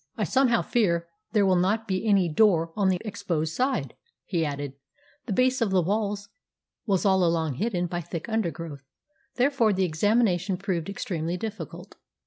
"I somehow fear there will not be any door on the exposed side," he added. The base of the walls was all along hidden by thick undergrowth, therefore the examination proved extremely difficult.